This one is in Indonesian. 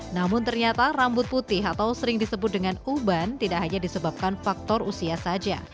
namun ternyata rambut putih atau sering disebut dengan uban tidak hanya disebabkan faktor usia saja